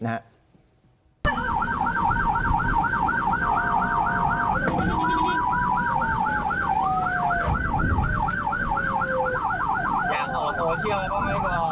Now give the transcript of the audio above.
อยากออกโซเชียลไหมครอบ